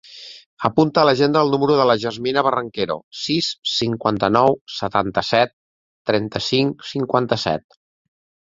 Apunta a l'agenda el número de la Yasmina Barranquero: sis, cinquanta-nou, setanta-set, trenta-cinc, cinquanta-set.